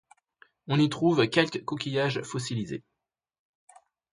On y trouve quelques coquillages fossilisés.